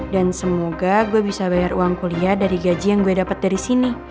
dan semoga gue bisa bayar uang kuliah dari gaji yang gue dapet dari sini